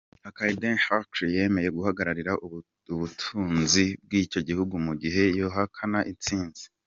Hakainde Hichelema yemeye guhagararira ubutunzi bw'ico gihugu mu gihe yotahukana intsinzi.